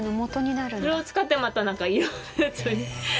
それを使ってまたなんか色んなやつ。